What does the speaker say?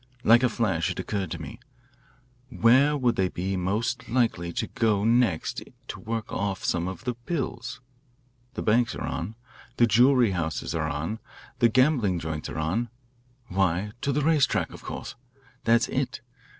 Like a flash it occurred to me: Where would they be most likely to go next to work off some of the bills? The banks are on, the jewellery houses are on, the gambling joints are on. Why, to the racetracks, of course. That's it.